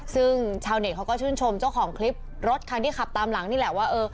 ซึ่งชาวเน็ตเขาก็ชื่นชมเจ้าของคลิปรถคันที่ขับตามหลังนี่แหละว่า